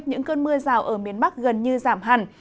những cơn mưa rào ở miền bắc gần như giảm hẳn